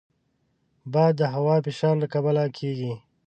باد د هوا فشار له کبله کېږي